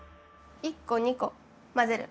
１個２個混ぜる。